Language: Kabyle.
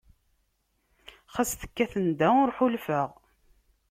Xas tekkat nda, ur ḥulfeɣ.